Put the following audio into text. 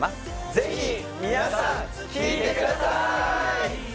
ぜひ皆さん聞いてくださーい！